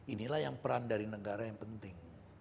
inilah yang peran dari negara yang penting